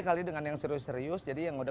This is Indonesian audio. kali dengan yang serius serius jadi yang udah